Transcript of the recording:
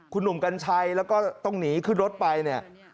คุณหนุ่มกัญชัยแล้วก็ต้องหนีขึ้นรถไปเนี่ย